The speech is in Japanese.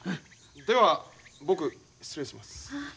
では僕失礼します。